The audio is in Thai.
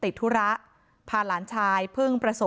แต่พอเห็นว่าเหตุการณ์มันเริ่มเข้าไปห้ามทั้งคู่ให้แยกออกจากกัน